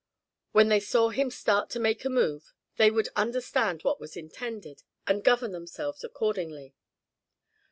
When they saw him start to make a move they would understand what was intended, and govern themselves accordingly.